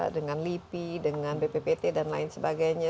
dengan lipi dengan bppt dan lain sebagainya